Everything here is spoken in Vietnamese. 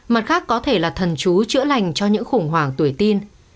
mặt khác có thể là thần chú chữa lành cho những khủng hoảng tuổi tin